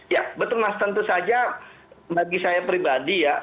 ya betul mas tentu saja bagi saya pribadi ya